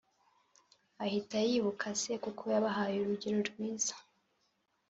ahita yibuka se kuko yabahaye urugero rwiza